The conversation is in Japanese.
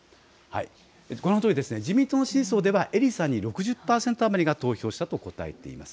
このとおり、自民党の支持層では、英利さんに６０％余りが投票したと答えています。